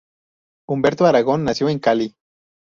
Humberto Arango nació en Cali.